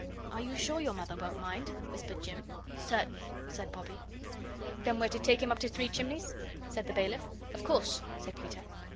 "Are you sure your Mother won't mind?" whispered Jim. "Certain," said Bobbie. "Then we're to take him up to Three Chimneys?" said the bailiff. "Of course," said Peter.